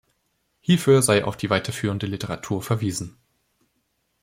Hierfür sei auf die weiterführende Literatur verwiesen.